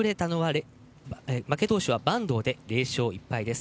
負け投手は板東で０勝１敗です。